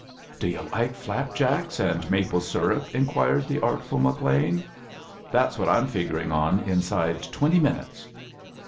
"Do yu' like flapjacks and maple syrup?" inquired the artful McLean. "That's what I'm figuring on inside twenty minotes."